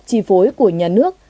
chi phối của nhà nước